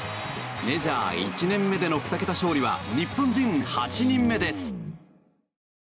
メジャー１年目での２桁勝利は日本人８人目です。